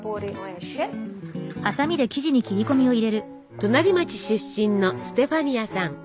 隣町出身のステファニアさん。